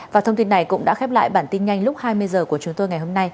và thông tin này cũng đã khép lại bản tin nhanh lúc hai mươi h của chúng tôi ngày hôm nay